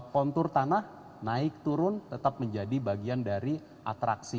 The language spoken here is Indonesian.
kontur tanah naik turun tetap menjadi bagian dari atraksi